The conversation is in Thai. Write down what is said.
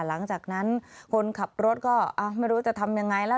หลังจากนั้นคนขับรถก็ไม่รู้จะทำยังไงแล้ว